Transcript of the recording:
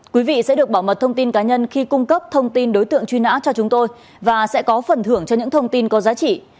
quý vị sẽ được bảo mật thông tin cá nhân khi cung cấp thông tin đối tượng truy nã cho chúng tôi và sẽ có phần thưởng cho những thông tin có giá trị